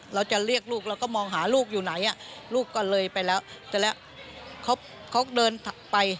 เราจะเรียกลูกเราก็มองหาลูกอยู่ไหนลูกก็เลยไปแล้วเสร็จแล้วเขาเดินไป